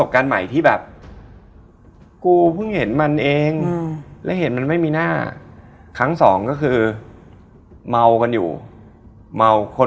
ก่อนถึงในเกาะใด